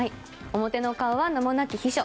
表の顔は名もなき秘書。